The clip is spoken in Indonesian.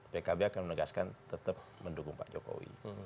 pkb akan menegaskan tetap mendukung pak jokowi